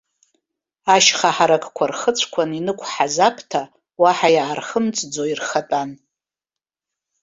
Ашьха ҳаракқәа рхыцәқәан инықәҳаз аԥҭа, уаҳа иаархымҵӡо ирхатәан.